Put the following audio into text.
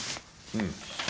うん。